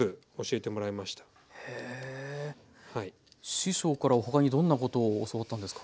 師匠から他にどんなことを教わったんですか？